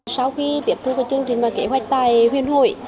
sau khi tiếp thu cái chương trình và kế hoạch tài huyên hội